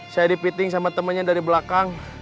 saya dipiting sama temannya dari belakang